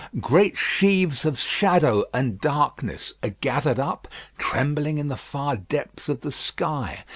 Great sheaves of shadow and darkness are gathered up, trembling in the far depths of the sky.